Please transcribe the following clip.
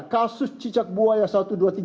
kasus cicak buaya satu dua tiga